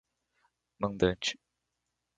mandante